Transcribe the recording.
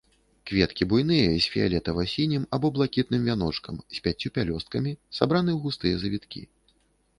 Кветкі буйныя з фіялетава-сінім або блакітным вяночкам, з пяццю пялёсткамі, сабраны ў густыя завіткі.